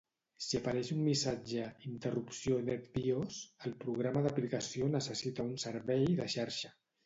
"Si apareix un missatge "interrupció NetBIOS", el programa d'aplicació necessita un servei de xarxa."